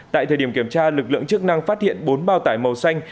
tại thời điểm kiểm tra lực lượng chức năng phát hiện bốn bao tải màu xanh